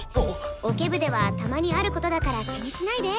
オケ部ではたまにあることだから気にしないで。